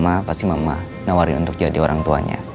mama pasti mama nawarin untuk jadi orang tuanya